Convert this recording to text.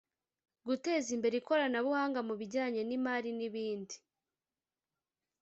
guteza imbere ikoranabuhanga mu bijyanye n’imari n’ibindi